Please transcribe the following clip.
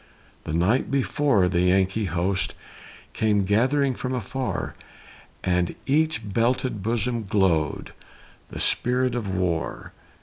The night before, the Yankee host Came gathering from afar, And in each belted bosom glow'd The spirit of the war.